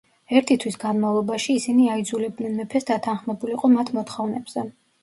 ერთი თვის განმავლობაში ისინი აიძულებდნენ მეფეს დათანხმებულიყო მათ მოთხოვნებზე.